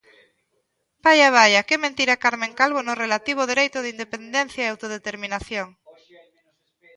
Vaia, vaia que mentira Carmen Calvo no relativo ao dereito de independencia e autodeterminación.